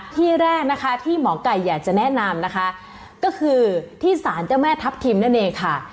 ที่แรกนะคะที่หมอไก่อยากจะแนะนำนะคะก็คือที่สารเจ้าแม่ทัพทิมนั่นเองค่ะ